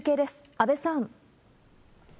阿部さん。